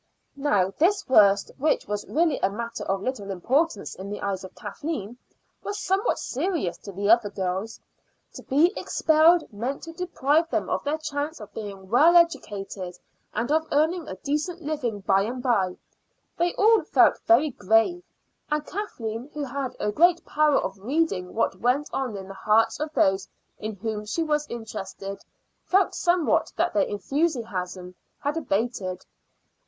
Now this worst, which was really a matter of little importance in the eyes of Kathleen, was somewhat serious to the other girls. To be expelled meant to deprive them of their chance of being well educated and of earning a decent living by and by. They all felt very grave, and Kathleen, who had a great power of reading what went on in the hearts of those in whom she was interested, felt somehow that their enthusiasm had abated.